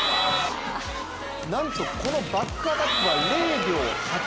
なんとこのバックアタックは０秒８３。